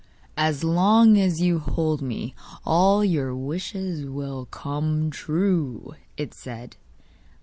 'As long as you hold me, all your wishes will come true,' it said.